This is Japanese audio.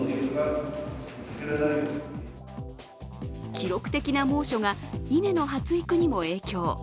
記録的な猛暑が稲の発育にも影響。